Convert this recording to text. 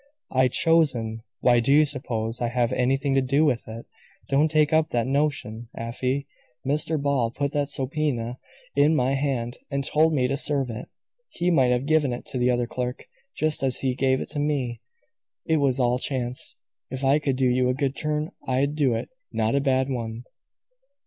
"I chosen! Why, do you suppose I have anything to do with it? Don't take up that notion, Afy. Mr. Ball put that subpoena in my hand, and told me to serve it. He might have given it to the other clerk, just as he gave it to me; it was all chance. If I could do you a good turn I'd do it not a bad one."